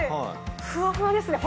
ふわふわですね